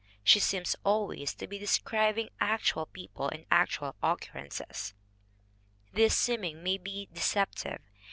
She seems always to be describing actual people and actual occurrences. This seeming may be de ceptive.